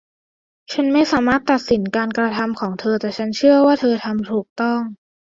ฉันไม่สามารถตัดสินจากการกระทำของเธอ แต่ฉันเชื่อว่าเธอทำถูกต้อง